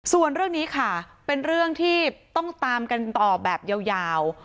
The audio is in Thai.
ส่วนเรื่องนี้ค่ะเป็นเรื่องที่ต้องตามกันต่อแบบยาว